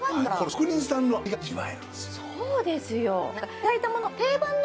そうなんですよ。